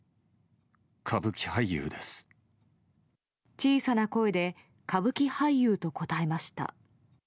小さな声で歌舞伎俳優と答えました。